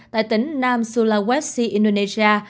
tại tỉnh nam sulawesi indonesia